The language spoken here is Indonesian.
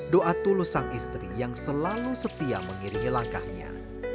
doa tulus sang istri yang selalu setia mengiringi langkahnya